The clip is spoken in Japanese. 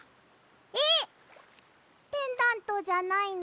えっペンダントじゃないの？